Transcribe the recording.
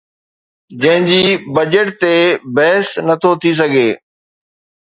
جنهن جي بجيٽ تي بحث نه ٿو ٿي سگهي